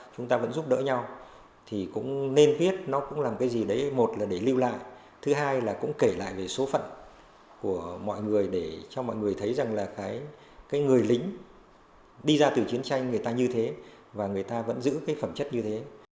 cái người lính đi ra từ chiến tranh người ta như thế và người ta vẫn giữ cái phẩm chất như thế